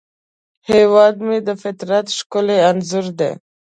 هیواد مې د فطرت ښکلی انځور دی